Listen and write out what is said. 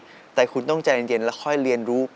แต่คุณต้องใจเย็นแล้วค่อยเรียนรู้